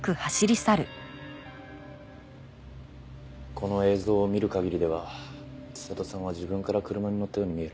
この映像を見る限りでは知里さんは自分から車に乗ったように見える。